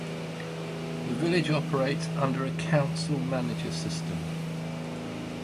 The village operates under a council-manager system.